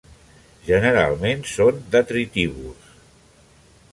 Generalment són detritívors.